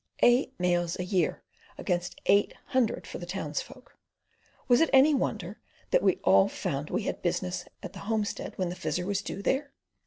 Eight mails a year against eight hundred for the townsfolk. Was it any wonder that we all found we had business at the homestead when the Fizzer was due there?